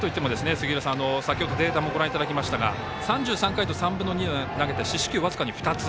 なんといっても杉浦さんデータもご覧いただきました３３回と３分の２を投げて四死球僅かに２つ。